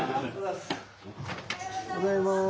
おはようございます。